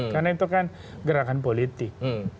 karena itu kan gerakan politik